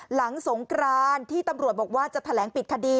หลังสงกรานที่ตำรวจบอกว่าจะแถลงปิดคดี